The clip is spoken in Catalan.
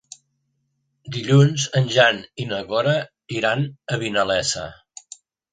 Dilluns en Jan i na Cora iran a Vinalesa.